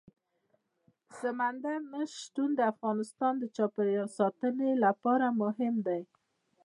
سمندر نه شتون د افغانستان د چاپیریال ساتنې لپاره مهم دي.